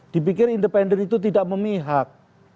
dipikir independen itu tidak memihak